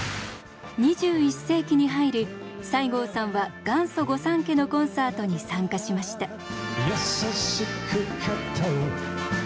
２１世紀に入り西郷さんは元祖御三家のコンサートに参加しました。